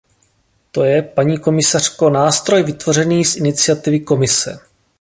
To je, paní komisařko, nástroj vytvořený z iniciativy Komise.